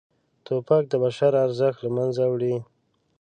توپک د بشر ارزښت له منځه وړي.